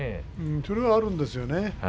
それはあるんですよね。